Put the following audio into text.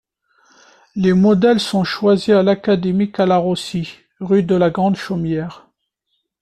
Les modèles sont choisis à l'Académie Calarossi, rue de la Grande-Chaumière.